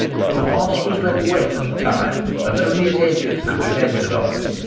The Moss was very wet at the time, and only its edges could be ventured on.